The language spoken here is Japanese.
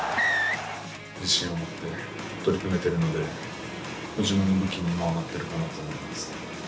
自信を持って取り組めているので、自分の武器になってるかなと思います。